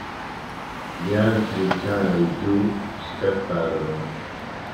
Gli altri kaiju scapparono.